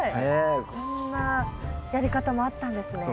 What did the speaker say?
こんなやり方もあったんですね。